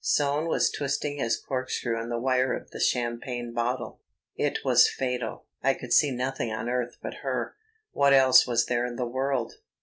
Soane was twisting his corkscrew in the wire of the champagne bottle. It was fatal; I could see nothing on earth but her. What else was there in the world.